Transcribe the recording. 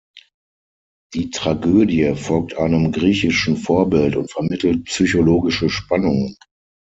Die Tragödie folgt einem griechischen Vorbild und vermittelt psychologische Spannungen.